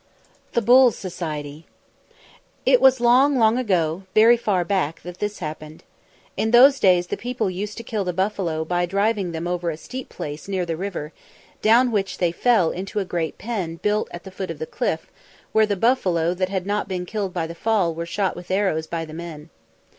THE BULLS SOCIETY It was long, long ago, very far back, that this happened. In those days the people used to kill the buffalo by driving them over a steep place near the river, down which they fell into a great pen built at the foot of the cliff, where the buffalo that had not been killed by the fall were shot with arrows by the men.